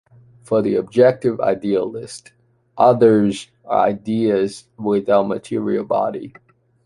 For the objective idealist, others are ideas without material body.